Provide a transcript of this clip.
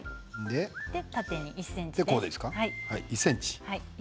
縦に１ｃｍ。